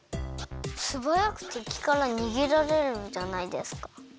「すばやくてきからにげられる」じゃないですか？